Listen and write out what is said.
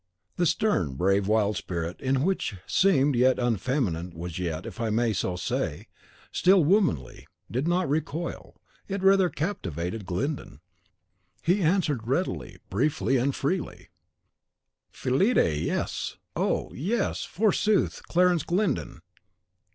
The stern, brave, wild spirit, in which what seemed unfeminine was yet, if I may so say, still womanly, did not recoil, it rather captivated Glyndon. He answered readily, briefly, and freely, "Fillide, yes!" Oh, "yes!" forsooth, Clarence Glyndon!